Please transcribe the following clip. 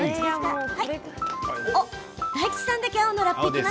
おっ大吉さんだけ青のラップいきました。